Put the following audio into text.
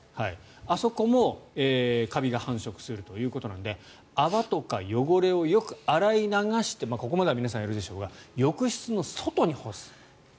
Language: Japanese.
あそこもカビが繁殖するということなので泡とか汚れをよく洗い流してここまでは皆さん、やるでしょうが浴室の外に干す。